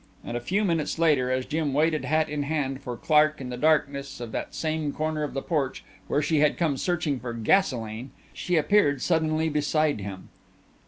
And a few minutes later as Jim waited hat in hand for Clark in the darkness of that same corner of the porch where she had come searching for gasolene, she appeared suddenly beside him.